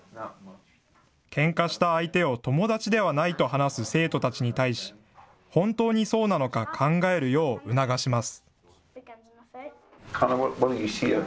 けんかした相手を友達ではないと話す生徒たちに対し、本当にそうなのか考えるよう促します。